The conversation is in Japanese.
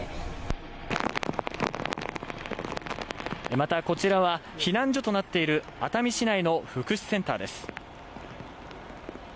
また、こちらは避難所となっている熱海市内の福祉センターです。